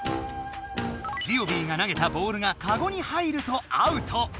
ジオビーがなげたボールがかごにはいるとアウト脱落だ！